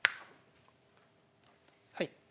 はい。